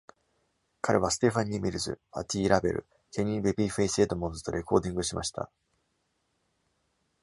彼はステファニー・ミルズ、パティ・ラベル、ケニー「ベビーフェイス」エドモンズとレコーディングしました。